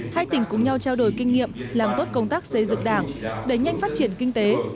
hai tỉnh cùng nhau trao đổi kinh nghiệm làm tốt công tác xây dựng đảng đẩy nhanh phát triển kinh tế